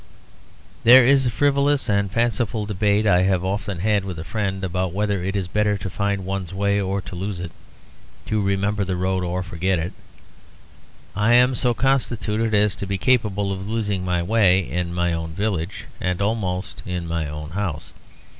There is a frivolous and fanciful debate I have often had with a friend, about whether it is better to find one's way or to lose it, to remember the road or to forget it. I am so constituted as to be capable of losing my way in my own village and almost in my own house.